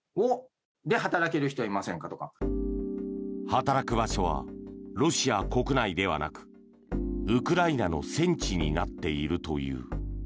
働く場所はロシア国内ではなくウクライナの戦地になっているという。